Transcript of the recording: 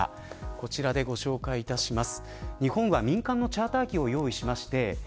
こちらでご紹介いたします。